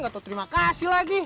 gak tau terima kasih lagi